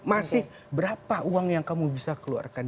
masih berapa uang yang kamu bisa keluarkan